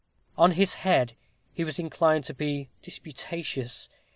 On this head he was inclined to be disputatious.